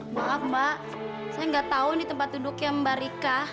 maaf mbak saya gak tau nih tempat duduknya mbak rika